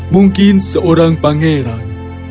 mungkin seorang pangeran